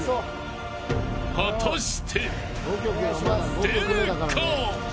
果たして出るか。